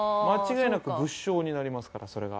間違いなく物証になりますから。